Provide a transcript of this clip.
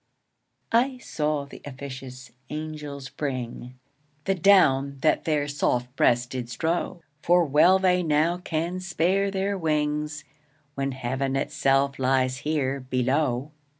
I saw th'officious angels bring, The down that their soft breasts did strow, For well they now can spare their wings, When Heaven itself lies here below.